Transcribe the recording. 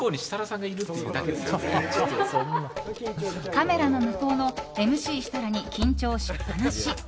カメラの向こうのＭＣ設楽に緊張しっぱなし。